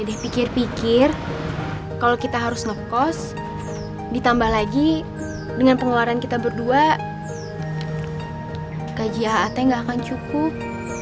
dia pikir pikir kalau kita harus ngekos ditambah lagi dengan pengeluaran kita berdua gaji hat nggak akan cukup